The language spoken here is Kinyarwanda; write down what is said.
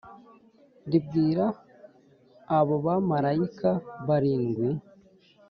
ribwira abo bamarayika barindwi